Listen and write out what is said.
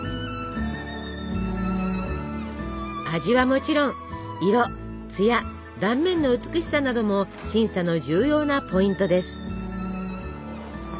味はもちろん色艶断面の美しさなども審査の重要なポイントです。